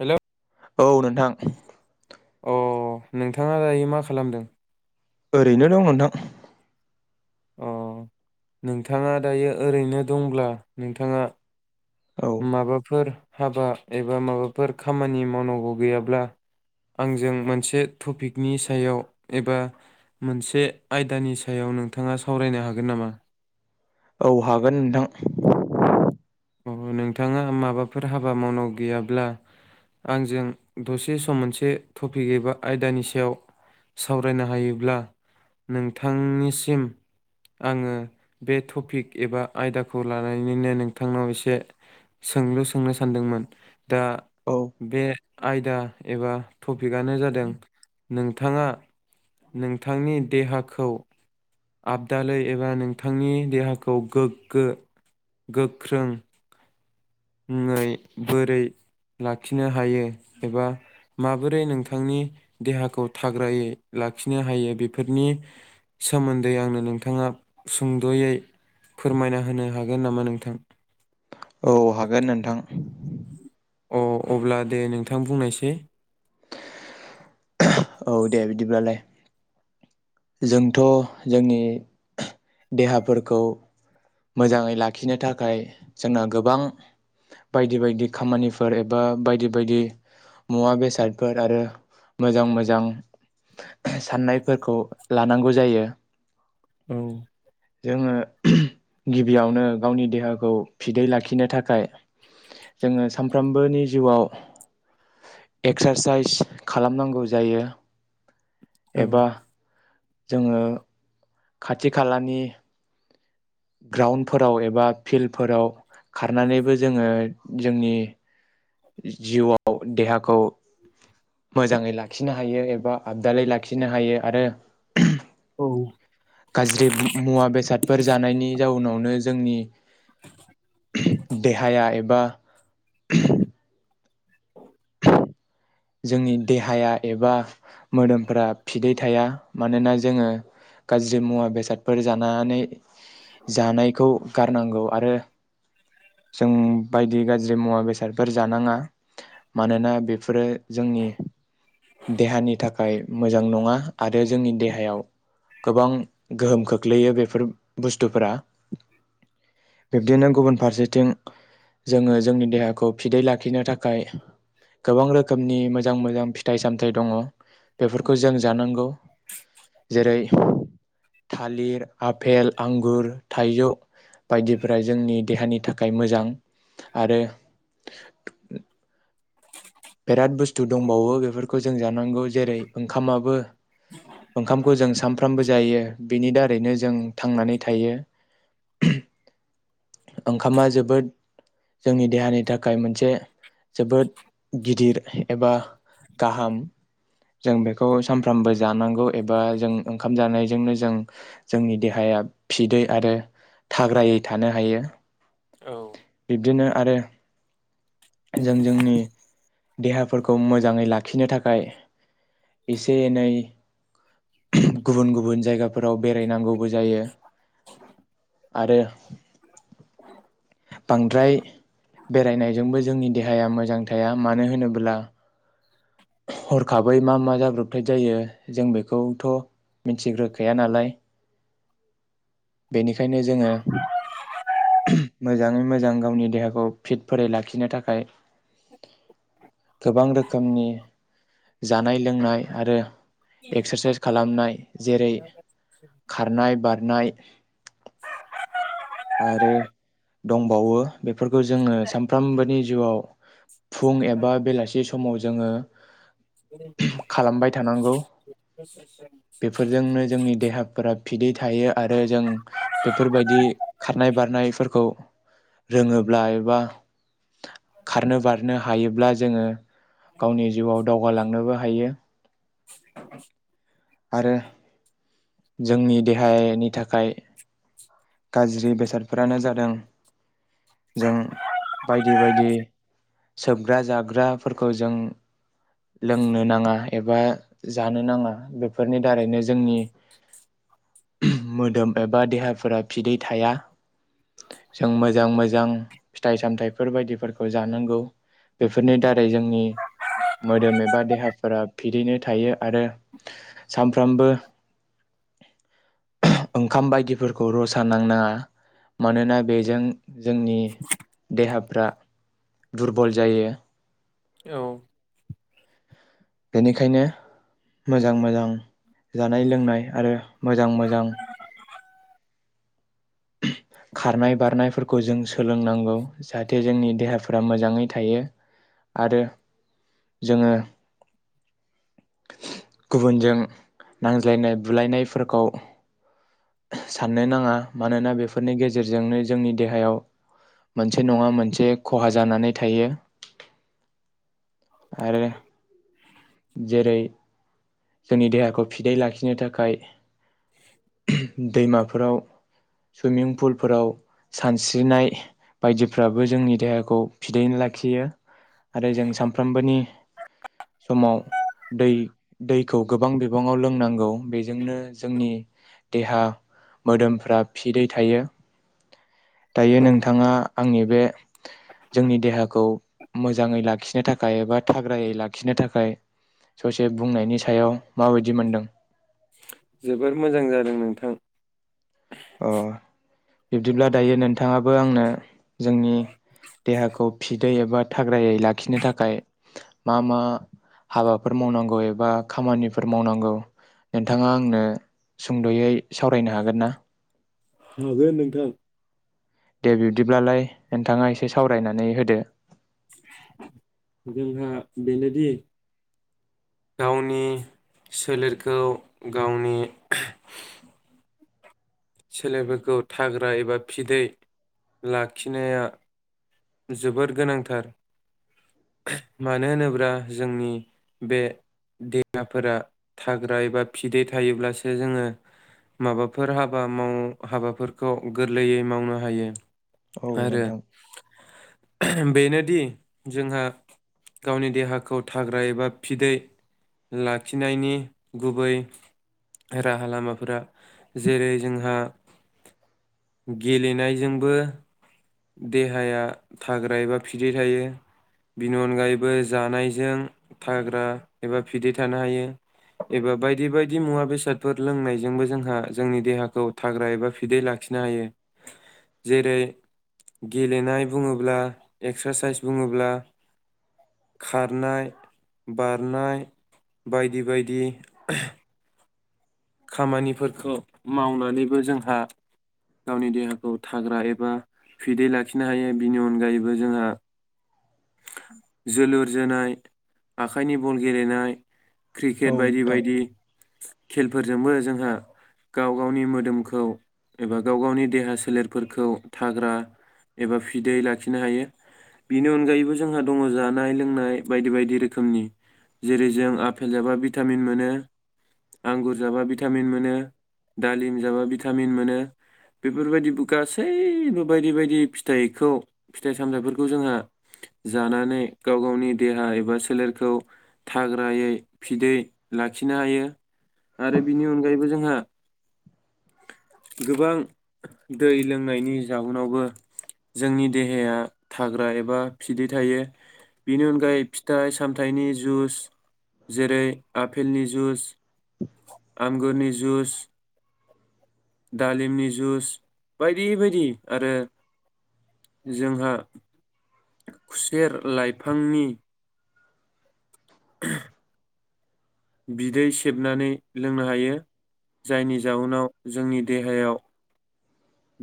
Hello. औ नोंथां। अ नोंथाङा दायो मा खालामदों? ओरैनो दं नोथां। अ नोंथाङा दायो ओरैनो दंब्ला नोंथाङा औ माबाफोर हाबा एबा माबाफोर खामानि मावनांगौ गैयाब्ला आंजों मोनसे टपिकनि सायाव एबा मोनसे आयदानि सायाव नोंथाङा सावरायनो हागोन नामा? औ हागोन नोंथां। अ नोंथाङा माबाफोर हाबा मावनांगौ गैयाब्ला आंजों दसे सम मोनसे टपिक एबा आयदानि सायाव सावरायनो हायोब्ला नोंथांनिसिम आङो बे टपिक एबा आयदाखौ लानानैनो नों नोंथांनाव एसे सोंलु सोंनो सानदोंमोन दा औ बे आयदा एबा टपिकआनो जादों नोंथाङा नोंथांनि देहाखौ आबदालै एबा नोंथांनि देहाखौ गोग्गो गोख्रों ङै बोरै लाखिनो हायो एबा माबोरै नोंथांनि देहाखौ थाग्रायै लाखिनो हायो बेफोरनि सोमोन्दै आंनो नोंथाङा सुंद'यै फोरमायना होनो हागोन नामा नोंथां? औ हागोन नोंथां। अ अब्ला दे नोंथां बुंनायसै। औ दे बिदिब्लालाय। जोंथ' जोंनि देहाफोरखौ मोजाङै लाखिनो थाखाय जोंना गोबां बायदि बायदि खामानिफोर एबा बायदि बायदि मुवा बेसादफोर आरो मोजां मोजां साननायफोरखौ लानांगौ जायो। औ जोङो गिबियावनो गावनि देहाखौ फिदै लाखिनो थाखाय जोङो सामफ्रोमबोनि जिउआव एक्सारसाइस खालामनांगौ जायो। औ एबा जोङो खाथि खालानि ग्राउन्डफोराव एबा फिल्डफोराव खारनानैबो जोङो जोंनि जिउआव देहाखौ मोजाङै लाखिनो हायो एबा आबदालै लाखिनो हायो आरो औ गाज्रि मुवा बेसादफोर जानायनि जाउनावनो जोंनि देहाया एबा जोंनि देहाया एबा मोदोमफोरा फिदै थाया मानोना जोङो गाज्रि मुवा बेसादफोर जानानै जानायखौ गारनांगौ आरो जों बायदि गाज्रि मुवा बेसादफोर जानाङा मानोना बेफोरो जोंनि देहानि थाखाय मोजां नङा आरो जोंनि देहायाव गोबां गोहोम खोख्लैयो बेफोर बुस्थुफोरा बिब्दिनो गुबुन फारसेथिं जोङो जोंनि देहाखौ फिदै लाखिनो थाखाय गोबां रोखो खोमनि मोजां मोजां फिथाइ सामथाइ दङ बेफोरखौ जों जानांगौ जेरै थालिर, आफेल, आंगुर, थाइजौ बायदिफोरा जोंनि देहानि थाख खाय मोजां आरो बेराद बुस्थु दंबावो बेफोरखौ जों जानांगौ जेरै ओंखामाबो ओंखामखौ जों सामफ्रामबो जायो बेनि दारैनो जों थांनानै थायो। [unintelligible] ओंखामा जोबोद जोंनि देहानि थाखाय मोनसे। जोबोद गिदिर एबा गाहाम जों बेखौ सानफ्रामबो जानांगौ एबा जों ओंखाम जानायजोंनो जों जोंनि देहाया फिदै आरो थाग्रायै थानो हायो। औ बिब्दिनो आरो जों जोंनि देहाफोरखौ मोजाङै लाखिनो थाखाय एसे एनै गुबुन गुबुन जायगाफोराव बेरायनांगौबो जायो आरो बांद्राय बेरायनायजोंबो जोंनि देहाया मोजां थाया मानो होनोब्ला हरखाबै मा मा जाब्रबथाय जायो जों बेखौथ' मिथिग्रोखाया नालाय। बेनिखायनो जोङो मोजाङै मोजां गावनि देहाखौ फिटफोरै लाखिनो थाखाय गोबां रोखोमनि जानाय लोंनाय आरो एक्सारसाइस खालामनाय जेरै खारनाय, बारनाय आरो दंबावो बेफोरखौ जोङो सानफ्रामबोनि जिउआव फुं एबा बेलासि माव जोङो खालामबाय थानांगौ बेफोरजोंनो जोंनि देहा फोरा फिदै थायो आरो जों बेफोरबायदि खारनाय बारनायफोरखौ रोङोब्ला एबा खारनो बारनो हायोब्ला जोङो गावनि जिउआव दावगालांनोबो हायो आरो जोंनि देहायनि थाखाय गाज्रि बेसादफोरानो जादों जों बायदि बायदि सोबग्रा जाग्राफोरखौ जों लोंनो नाङा एबा जानो नाङा बेफोरनि दारैनो जोंनि उम मोदोम एबा देहाफोरा फिदै थाया जों मोजां मोजां फिथाइ सामथाइफोर बायदिफोरखौ जानांगौ बेफोरनि दारै जोंनि मोदोम एबा देहाफोरा फिदैनो थायो आरो सानफ्रामबो ओंखाम बायदिफोरखौ र थानांनाङा मानोना बेजों जोंनि देहाफ्रा दुरबल जायो बेनिखायनो मोजां मोजां जानाय लोंनाय आरो मोजां मोजां खारनाय बारनायफोरखौ जों सोलोंनांगौ जाहाथे जोंनि देहाफ्रा मोजाङै थायो आरो जोङो गुबुनजों नांज्लायनाय बुलायनायफोरखौ साननो नाङा मानोना बेफोरनि गेजेरजोंनो जोंनि देहायाव मोनसे नङा मोनसे खहा जानानै थायो आरो। जेरै जोंनि देहाखौ फिदै लाखिनो थाखाय दैमाफोराव सुइमिं फुलफोराव सानस्रिनाय बायदिफ्राबो जोंनि देहाखौ फिदै लाखियो आरो जों सानफ्रोमबोनि समाव दै दैखौ गोबां बिबाङाव लोंनांगौ बेजोंनो जोंनि देहा मोदोमफ्रा फिदै थायो दायो औ नोंथाङा आंनि बे जोंनि देहाखौ मोजाङै लाखिनो थाखाय एबा थाग्रायै लाखिनो थाखाय ससे बुंनायनि सायाव माबायदि मोनदों जोबोर मोजां जादों नोंथां। अ बिब्दिब्ला दायो नोंथाङाबो आंनो जोंनि देहाखौ फिटै एबा थाग्रायै लाखिनो थाखाय मा मा हाबाफोर मावनांगौ एबा खामानिफोर मावनांगौ नोंथाङा आंनो सुंद'यै सावरायनो हागोन ना। हागोन नोंथां। दे बिब्दिब्लालाय नोंथाङा एसे सावरायनानै होदो। जोंहा बेनोदि गावनि सोलेरखौ गावनि सोलेरफोरखौ थाग्रा एबा फिदै लाखिनाया जोबोर गोनांथार मानो होनोब्ला जोंनि बे देहाफोरा थाग्रा एबा फिदै थायोब्लासो जोङो माबाफोर हाबा माव हाबाफोरखौ गोरलैयै मावनो हायो औ आरो नोंथां। बेनोदि जोंहा गावनि देहाखौ थाग्रा एबा फिदै लाखिनायनि गुबै राहा लामाफोरा जेरै जोंहा गेलेनायजोंबो देहाया थाग्रा एबा फिदै थायो बिनि अनगायैबो जानायजों थाग्रा एबा फिदै थानो हायो एबा बायदि बायदि मुवा बेसादफोर लोंनायजोंबो जोंहा जोंनि देहाखौ थाग्रा एबा फिदै लाखिनो हायो जेरै गेलेनाय बुङोब्ला एक्सारसाइस बुङोब्ला खारनाय बारनाय बायदि बायदि खामानिफोरखौ मावनानैबो जोंहा गावनि देहाखौ थाग्रा एबा फिदै लाखिनो हायो बिनि अनगायैबो जोंहा जोलुर जोनाय आखाइनि बल गेलेनाय औ क्रिकेट बायदि नोंथां बायदि खेलफोरजोंबो जोंहा गाव गावनि मोदोमखौ एबा गाव गावनि देहा सोलेरफोरखौ थाग्रा एबा फिदै लाखिनो हायो बिनि अनगायैबो जोंहा दङ जानाय लोंनाय बायदि बायदि रोखोमनि जेरै जों आफेल जाबा भिटामिन मोनो आंगुर जाबा भिटामिन मोनो दालिम जाबा भिटामिन मोनो बेफोरबायदिबो गासैबो बायदि बायदि फिथाइखौ फिथाइ सामथाइफोरखौ जोंहा जानानै गाव गावनि देहा एबा सोलेरखौ थाग्रायै फिदै लाखिनो हायो आरो बिनि अनगायैबो जोंहा गोबां दै लोंनायनि जाउनावबो जोंनि देहाया थाग्रा एबा फिदै थायो बिनि अनगायै फिथाइ सामथाइनि जुस जेरै आपेलनि जुस आंगुरनि जुस दालिमनि जुस बायदि बायदि आरो जोंहा खुसेर लाइफांनि [inaudible] बिदै सेबनानै लोंनो हायो जायनि जाउनाव जोंनि देहायाव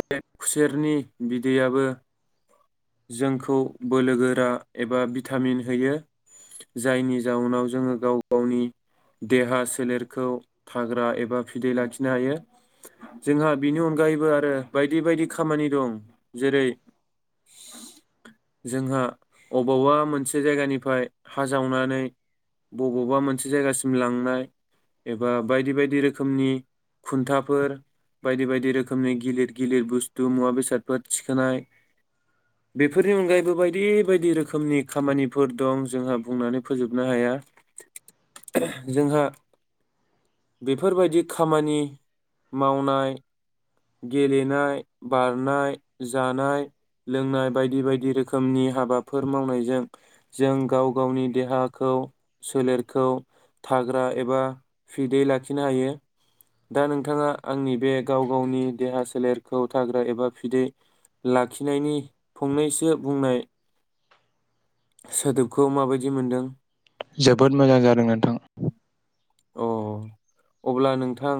बे खुसेरनि बिदैयाबो जोंखौ बोलो गोरा एबा भिटामिन होयो जायनि जाउनाव जोङो गाव गावनि देहा सोलेरखौ थाग्रा एबा फिदै लाखिनो हायो जोंहा बिनि अनगायैबो आरो बायदि बायदि खामानि दं जेरै जोंहा अबावबा मोनसे जायगानिफ्राय हा जावनानै बबावबा मोनसे जायगाम सिम लांनाय एबा बायदि बायदि रोखोमनि खुन्थाफोर बायदि बायदि रोखोमनि गिलिर गिलिर बुस्थु मुवा बेसादफोर थिखोनाय बेफोरनि अनगायैबो बायदि बायदि रोखोमनि खामानिफोर दं जोंहा बुंनानै फोजोबनो हाया जोंहा बेफोरबायदि खामानि मावनाय गेलेनाय बारनाय जानाय लोंनाय बायदि बायदि रोखोमनि हाबाफोर मावनायजों जों गाव गावनि देहाखौ सोलेरखौ थाग्रा एबा फिदै लाखिनो हायो दा नोंथाङा आंनि बे गाव गावनि देहा सोलेरखौ थाग्रा एबा फिदै लाखिनायनि फंनैसो बुंनाय सोदोबखौ माबायदि मोनदों जोबोद मोजां जादों नोंथां! अ अब्ला नोंथां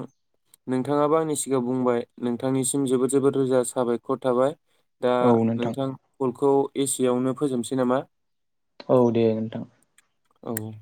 नोंथाङाबो आंनि सिगाङां बुंबाय नोंथांनिसिम जोबोद जोबोद रोजा साबायखर थाबाय। दा नोंथां। कलखौ एसिआवनो फोजोबनोसै नामा? औ दे नोंथां। औ